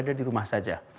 yang berada di rumah saja